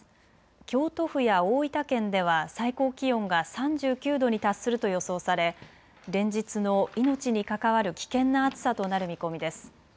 京都府や大分県では最高気温が３９度に達すると予想され連日の命に関わる危険な暑さとなる見込みです。